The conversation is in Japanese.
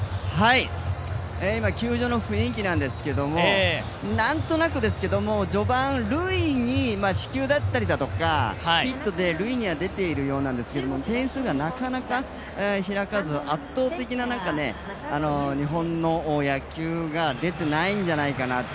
今、球場の雰囲気なんですけど、なんとなくですけども、序盤、塁に四球だったりとかヒットで塁には出ているようなんですけど、点数がなかなか開かず、圧倒的な日本の野球が出てないんじゃないかなと。